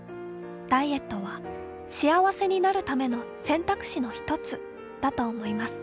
ダイエットは、幸せになるための、選択肢の一つ、だと思います。